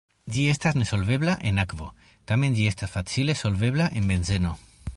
Ĝi estas nesolvebla en akvo, tamen ĝi estas facile solvebla en benzeno.